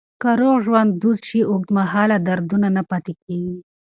که روغ ژوند دود شي، اوږدمهاله دردونه نه پاتې کېږي.